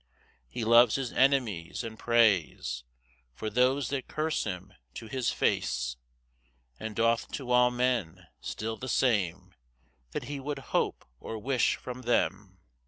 ] 6 [He loves his enemies, and prays For those that curse him to his face; And doth to all men still the same That he would hope or wish from them.